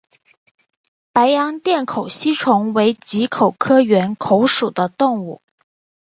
白洋淀缘口吸虫为棘口科缘口属的动物。